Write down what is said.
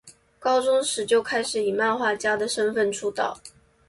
高中时就开始以漫画家的身份出道。